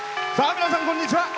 皆さん、こんにちは。